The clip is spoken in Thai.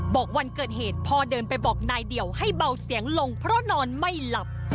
บอกวันเกิดเหตุพ่อเดินไปบอกนายเดี่ยวให้เบาเสียงลงเพราะนอนไม่หลับ